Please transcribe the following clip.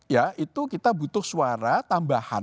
ya itu kita butuh suara tambahan